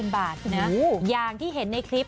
๓๐๐๐๐บาทอย่างที่เห็นในคลิป